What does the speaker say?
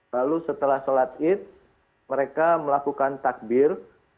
lalu setelah sholat id mereka melakukan takbir